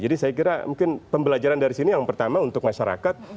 jadi saya kira pembelajaran dari sini yang pertama untuk masyarakat